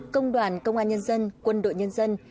công đoàn công an nhân dân quân đội nhân dân